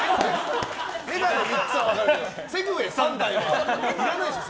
眼鏡３つは分かるけどセグウェイ３台はいらないでしょ